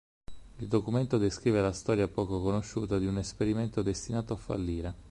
Il documentario descrive la storia poco conosciuta di un esperimento destinato a fallire.